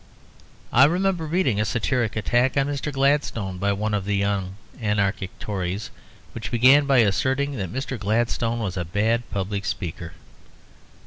I remember reading a satiric attack on Mr. Gladstone by one of the young anarchic Tories, which began by asserting that Mr. Gladstone was a bad public speaker.